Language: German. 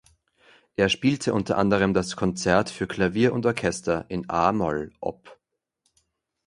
Er spielte unter anderem das Konzert für Klavier und Orchester in a-Moll op.